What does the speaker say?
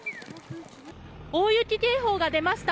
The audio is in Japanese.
大雪警報が出ました